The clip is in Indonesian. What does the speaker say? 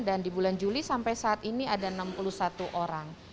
dan di bulan juli sampai saat ini ada enam puluh satu orang